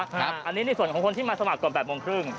อันนี้ในส่วนของคนที่มาสมัครก่อน๘โมงครึ่ง